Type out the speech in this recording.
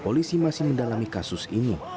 polisi masih mendalami kasus ini